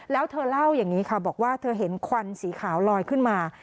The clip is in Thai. แล้วเธอเล่าอย่างนี้ค่ะบอกว่าเธอเห็นควันสีขาวลอยขึ้นมา